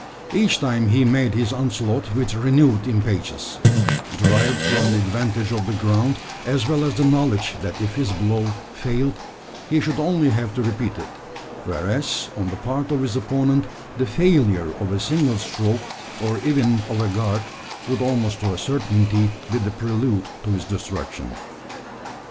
Each time he made his onslaught with renewed impetus, derived from the advantage of the ground, as well as the knowledge that if his blow failed, he should only have to repeat it; whereas, on the part of his opponent, the failure of a single stroke, or even of a guard, would almost to a certainty be the prelude to his destruction.